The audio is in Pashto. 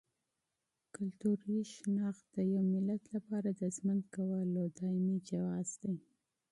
فرهنګي هویت د یو ملت لپاره د ژوند کولو دایمي جواز دی.